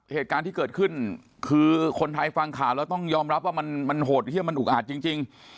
เหตุการณ์ที่เกิดขึ้นคือคนไทยฟังข่าวแล้วต้องยอมรับว่ามันโหดเยี่ยมมันอุกอาจจริง